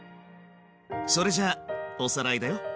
それじゃおさらいだよ。